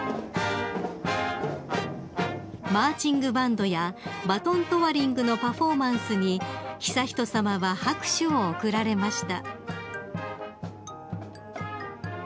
［マーチングバンドやバトントワリングのパフォーマンスに悠仁さまは拍手を送られました］